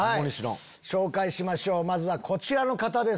紹介しましょうまずはこちらの方です。